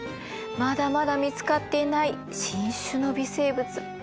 まだまだ見つかっていない新種の微生物